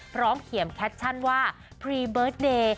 พร้อมเขียนแคปชั่นว่าพรีเบิร์ตเดย์